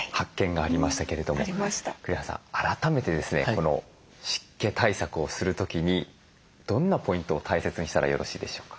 この湿気対策をする時にどんなポイントを大切にしたらよろしいでしょうか？